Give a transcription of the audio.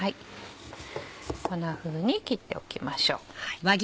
こんなふうに切っておきましょう。